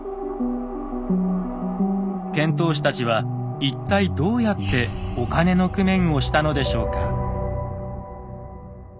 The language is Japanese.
遣唐使たちは一体どうやってお金の工面をしたのでしょうか。